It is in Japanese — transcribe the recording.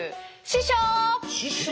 師匠。